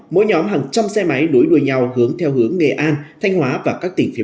mỗi nhóm hàng trăm xe máy đối đuổi nhau hướng theo hướng nghệ an thanh hóa và các tỉnh phía nam